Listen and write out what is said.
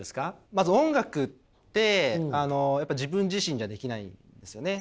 まず音楽ってやっぱ自分自身じゃできないんですよね。